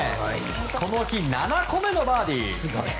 この日、７個目のバーディー。